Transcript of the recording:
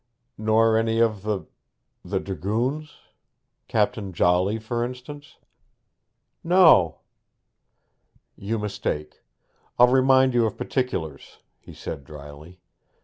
'Nor any of the th Dragoons? Captain Jolly, for instance?' 'No.' 'You mistake. I'll remind you of particulars,' he said drily.